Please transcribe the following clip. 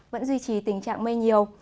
vẫn duy trì tình trạng mây nhiều